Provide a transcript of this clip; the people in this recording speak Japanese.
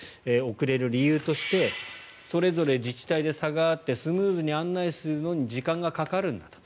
遅れる理由としてそれぞれ自治体で差があってスムーズに案内するのに時間がかかるんだと。